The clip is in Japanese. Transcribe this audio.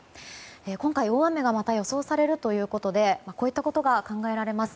今回、大雨がまた予想されるということでこういったことが考えられます。